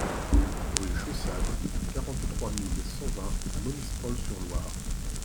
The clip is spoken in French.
Rue Chaussade, quarante-trois mille cent vingt Monistrol-sur-Loire